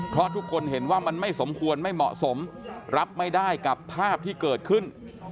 เพราะทุกคนเห็นว่ามันไม่สมควรไม่เหมาะสมรับไม่ได้กับภาพที่เกิดขึ้น